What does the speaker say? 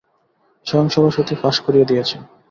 স্বয়ং সরস্বতী ফাঁস করিয়া দিয়াছেন।